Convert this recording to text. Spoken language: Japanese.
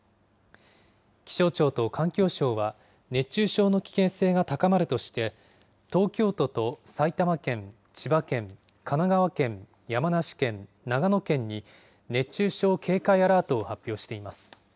気象庁と環境省は、熱中症の危険性が高まるとして、東京都と埼玉県、千葉県、神奈川県、山梨県、長野県に熱中症警戒アラートを発表しています。